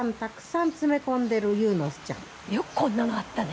よくこんなのあったね。